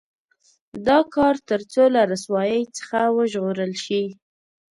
دا کار تر څو له رسوایۍ څخه وژغورل شي.